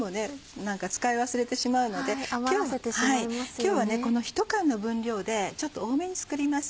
今日はこの１缶の分量でちょっと多めに作ります。